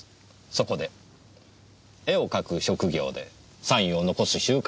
そこで絵を描く職業でサインを残す習慣のない人物。